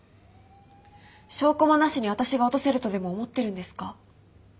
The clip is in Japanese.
証拠もなしに私が落とせるとでも思ってるんですか？